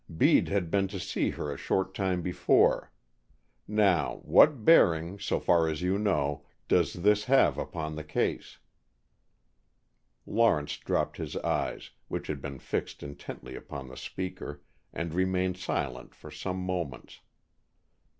Bede had been to see her a short time before. Now, what bearing, so far as you know, does this have upon the case?" Lawrence dropped his eyes, which had been fixed intently upon the speaker, and remained silent for some moments.